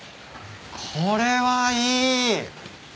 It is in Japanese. これはいい。